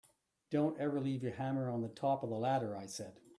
Don’t ever leave your hammer on the top of the ladder, I said.